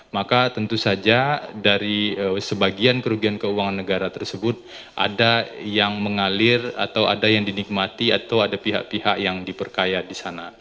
maka tentu saja dari sebagian kerugian keuangan negara tersebut ada yang mengalir atau ada yang dinikmati atau ada pihak pihak yang diperkaya di sana